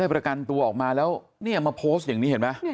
ได้ประกันตัวออกมาแล้วเนี่ยมาอย่างนี้เห็นไหมเนี่ยเนี่ย